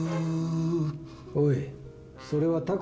おい。